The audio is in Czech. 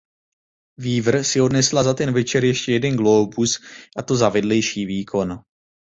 Weaver si odnesla za ten večer ještě jeden Glóbus a to za vedlejší výkon.